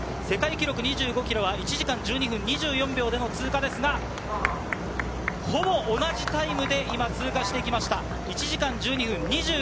世界記録は２５ｋｍを１時間１２分２４秒での通過ですが、ほぼ同じタイムで通過していきました。